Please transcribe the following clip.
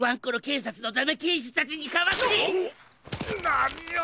なにを！